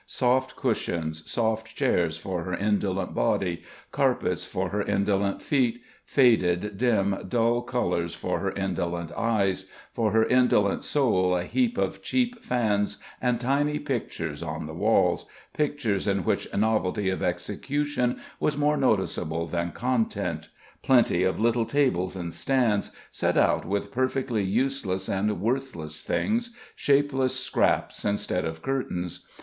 Soft cushions, soft chairs for her indolent body; carpets for her indolent feet; faded, dim, dull colours for her indolent eyes; for her indolent soul, a heap of cheap fans and tiny pictures on the walls, pictures in which novelty of execution was more noticeable than content; plenty of little tables and stands, set out with perfectly useless and worthless things, shapeless scraps instead of curtains....